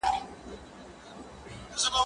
زه له سهاره د ښوونځی لپاره تياری کوم!؟